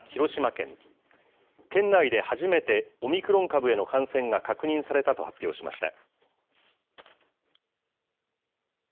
県内で初めて、オミクロン株への感染が確認されたと発表しました。